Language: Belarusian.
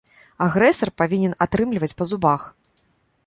Агрэсар павінен атрымліваць па зубах.